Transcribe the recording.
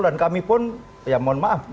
dan kami pun ya mohon maaf